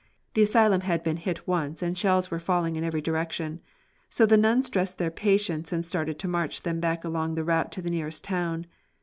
The asylum had been hit once and shells were falling in every direction. So the nuns dressed their patients and started to march them back along the route to the nearest town.